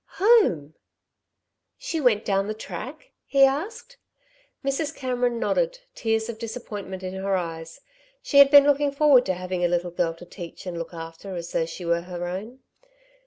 "Home!" "She went down the track?" he asked. Mrs. Cameron nodded, tears of disappointment in her eyes. She had been looking forward to having a little girl to teach and look after as though she were her own.